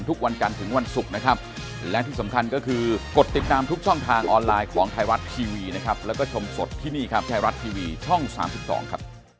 ต้องสามารถติดต่อครับ